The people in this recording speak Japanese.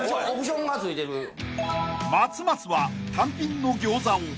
［松松は単品の餃子を。